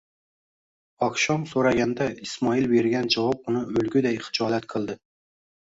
Oqshom so'raganda Ismoil bergan javob uni o'lguday xijolat qildi: